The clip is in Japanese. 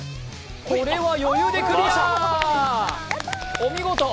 これは余裕でクリア、お見事！